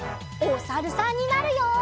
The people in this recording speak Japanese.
おさるさんになるよ！